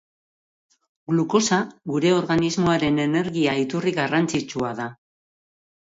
Glukosa gure organismoaren energia-iturri garrantzitsua da.